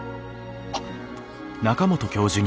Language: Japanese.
あっ。